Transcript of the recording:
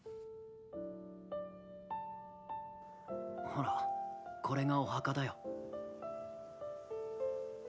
ほらこれがお墓だよ。